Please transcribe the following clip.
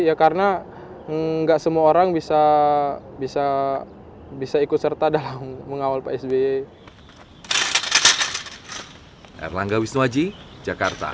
ya karena nggak semua orang bisa ikut serta dalam mengawal pak sby